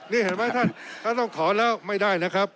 นี่เห็นไหมท่านท่านต้องถอนแล้วไม่ได้นะครับ